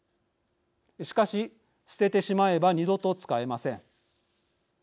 しかし、捨ててしまえば二度と使えません。